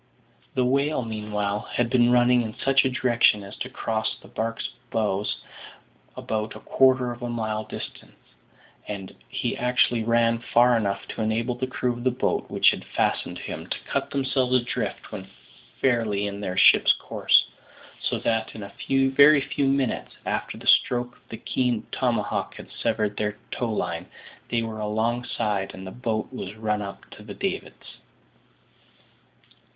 The whale, meanwhile, had been running in such a direction as to cross the barque's bows about a quarter of a mile distant, and he actually ran far enough to enable the crew of the boat which had fastened to him to cut themselves adrift when fairly in their ship's course; so that, in a very few minutes after the stroke of the keen tomahawk had severed their towline, they were alongside, and the boat was run up to the davits.